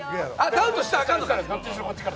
ダウトしたらあかんのか。